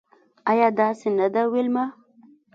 ایا داسې نده ویلما